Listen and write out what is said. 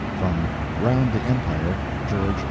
[From "Round the Empire." (George R.